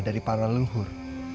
dari para leluhur